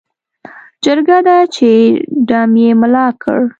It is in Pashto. جرګه ده چې ډم یې ملا کړ.